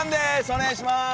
お願いします。